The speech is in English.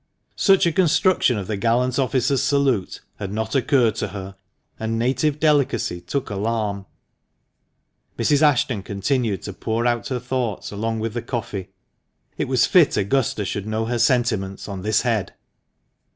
Such a construction of the gallant officer's salute had not occurred to her, and native delicacy took alarm. Mrs. Ashton continued to pour out her thoughts along with the coffee. It was fit Augusta should know her sentiments on this head.